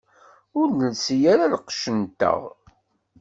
Ur nelsi ara lqecc-nteɣ.